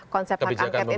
konsep hak angket ini kan